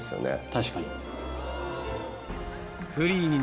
確かに。